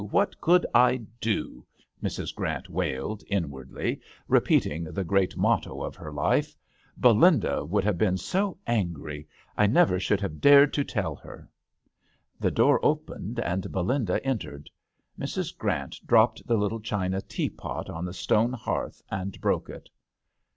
— what could I do ?" Mrs. Grant wailed, inwardly, repeating the great motto of her life :Belinda 54 THE hAtel d'angleterre. would have been so angry ; I never should have dared to tell hen" The door opened and Belinda entered. Mrs. Grant dropped the little china teapot on the stone hearth and broke it.